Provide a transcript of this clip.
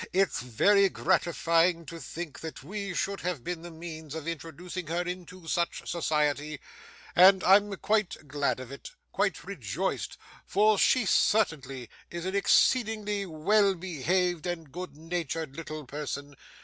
It's very gratifying to think that we should have been the means of introducing her into such society, and I'm quite glad of it quite rejoiced for she certainly is an exceedingly well behaved and good natured little person.